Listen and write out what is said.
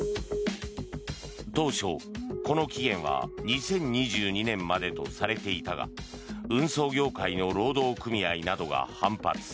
当初、この期限は２０２２年までとされていたが運送業界の労働組合などが反発。